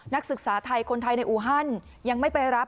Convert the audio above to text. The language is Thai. นักศึกษาไทยคนไทยในอูฮันยังไม่ไปรับ